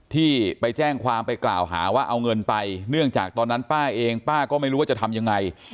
ที่ไปแจ้งความไปกล่าวหาว่าเอาเงินไปเนื่องจากตอนนั้นป้าเองป้าก็ไม่รู้ว่าจะทำยังไง